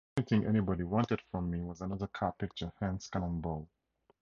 The only thing anybody wanted from me was another car picture, hence "Cannonball".